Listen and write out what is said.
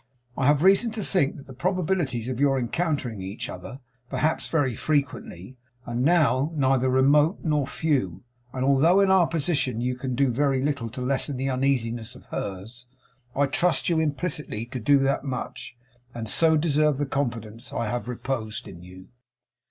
I have reason to think that the probabilities of your encountering each other perhaps very frequently are now neither remote nor few; and although in our position you can do very little to lessen the uneasiness of hers, I trust to you implicitly to do that much, and so deserve the confidence I have reposed in you."